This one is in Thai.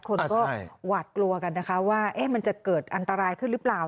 คนก็หวาดกลัวกันนะคะว่ามันจะเกิดอันตรายขึ้นหรือเปล่า